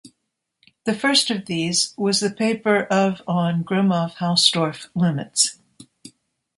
The first of these was the paper of on Gromov-Hausdorff limits.